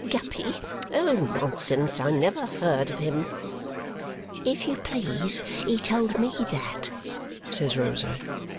Guppy! Nonsense, I never heard of him!" "If you please, he told ME that!" says Rosa.